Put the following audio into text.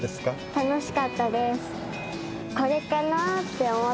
楽しかったです。